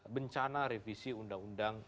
bencana revisi undang undang